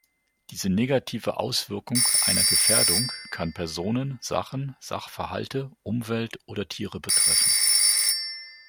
Diese negative Auswirkung einer "Gefährdung" kann Personen, Sachen, Sachverhalte, Umwelt oder Tiere betreffen.